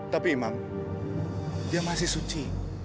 tapi imam dia masih suci